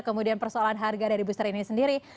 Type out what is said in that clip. kemudian persoalan harga dari booster ini sendiri